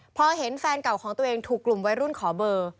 พอเห็นแฟนเก่าของตัวเองถูกกลุ่มวัยรุ่นขอเบอร์